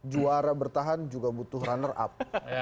juara bertahan juga butuh runner up